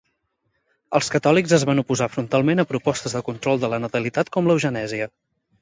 Els catòlics es van oposar frontalment a propostes de control de la natalitat com l'eugenèsia.